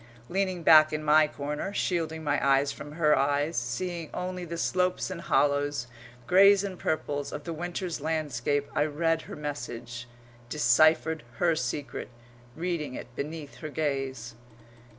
Leaning back in my corner, shielding my eyes from her eyes, seeing only the slopes and hollows, greys and purples, of the winter's landscape, I read her message, deciphered her secret, reading it beneath her gaze.